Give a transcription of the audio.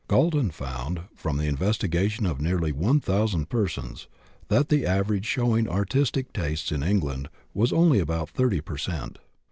Galton found, from the investigation of nearly 1000 persons, that the average showing artistic tastes in England was only about 30 per cent.